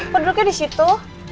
kok duduknya di situ